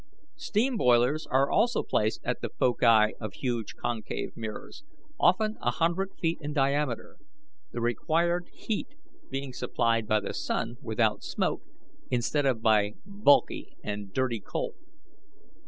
Steam boilers are also placed at the foci of huge concave mirrors, often a hundred feet in diameter, the required heat being supplied by the sun, without smoke, instead of by bulky and dirty coal.